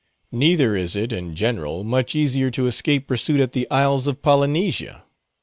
Neither is it, in general, much easier to escape pursuit at the isles of Polynesia.